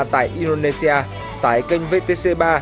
tại indonesia tại kênh vtc ba